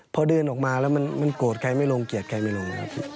พอเดินออกมาแล้วมันโกรธใครไม่ลงเกลียดใครไม่ลงครับ